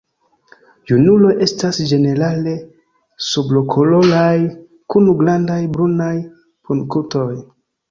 Junuloj estas ĝenerale sablokoloraj kun grandaj brunaj punktoj.